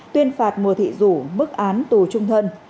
tuyên phạt mùa thị dũ mức án tù trung thân